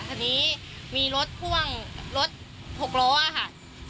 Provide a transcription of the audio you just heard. ทีนี้มีรถพ่วงรถ๖ล้อค่ะ